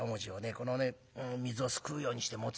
この水をすくうようにして持つってえとね